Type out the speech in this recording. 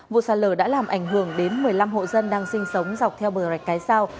vụ sạt lở đã làm ảnh hưởng đến một mươi năm hộ dân đang sinh sống dọc theo bờ rạch cái sao